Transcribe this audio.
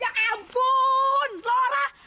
ya ampun lora